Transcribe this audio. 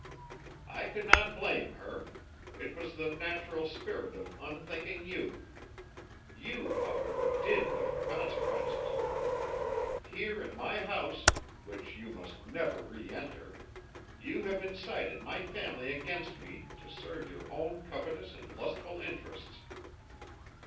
"I could not blame her: it was the natural spirit of unthinking youth. You, however, did know the consequences. Here in my house which you must never reënter you have incited my family against me to serve your own covetous and lustful interests."